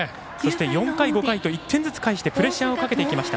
４回、５回と１点ずつ返してプレッシャーをかけていきました。